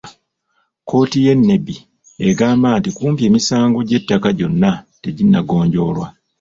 Kkooti y'e Nebbi egamba nti kumpi emisango gy'ettaka gyonna teginnagonjoolwa.